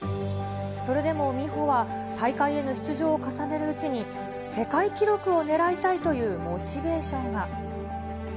それでも美帆は、大会への出場を重ねるうちに、世界記録をねらいたいというモチベーションが。